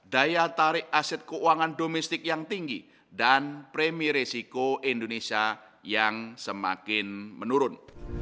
daya tarik aset keuangan domestik yang tinggi dan premi risiko indonesia yang semakin menurun